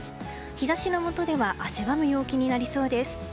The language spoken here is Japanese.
日差しのもとでは汗ばむ陽気になりそうです。